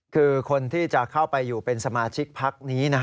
คือคนที่จะเข้าไปอยู่เป็นสมาชิกพักนี้